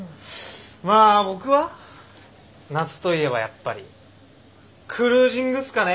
まあ僕は夏といえばやっぱりクルージングっすかね。